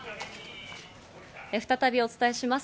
再びお伝えします。